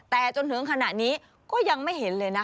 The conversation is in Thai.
แต่จนถึงขณะนี้ก็ยังไม่เห็นเลยนะ